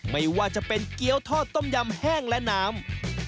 ไม่ว่าจะเป็นเกี้ยวทอดต้มยำแห้งและน้ำ